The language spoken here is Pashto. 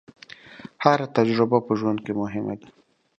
هره تجربه په ژوند کې مهمه ده.